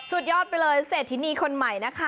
สุดยอดไปเลยเศรษฐินีคนใหม่นะคะ